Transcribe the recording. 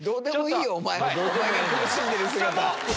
おまえが苦しんでる姿は。